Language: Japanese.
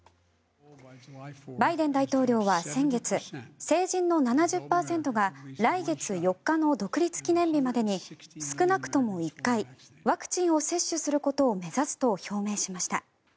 バイデン大統領は先月成人の７０％が来月４日の独立記念日までに少なくとも１回ワクチンを接種することを目指すと表明しました。